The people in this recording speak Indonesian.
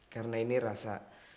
karena ini rasa